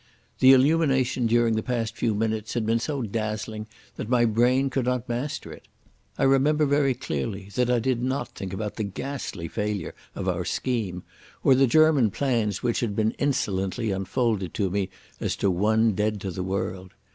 The illumination during the past few minutes had been so dazzling that my brain could not master it. I remember very clearly that I did not think about the ghastly failure of our scheme, or the German plans which had been insolently unfolded to me as to one dead to the world.